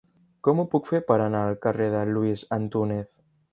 Com ho puc fer per anar al carrer de Luis Antúnez?